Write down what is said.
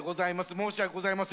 申し訳ございません。